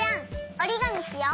おりがみしよう。